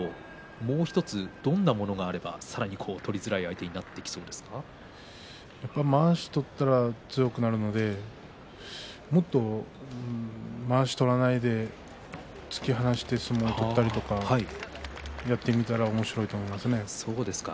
もう１つ、どんなものがあればさらに取りづらい相手にやっぱりまわしを取ったら強くなるのでもっとまわしを取らないで突き放して相撲を取ったりとかやってみたらおもしろいと思いますね。